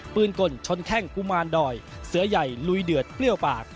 กลชนแข้งกุมารดอยเสือใหญ่ลุยเดือดเปรี้ยวปาก